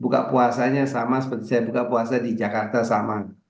buka puasanya sama seperti saya buka puasa di jakarta sama